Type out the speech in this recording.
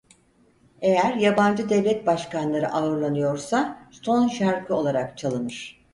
Eğer yabancı devlet başkanları ağırlanıyorsa son şarkı olarak çalınır.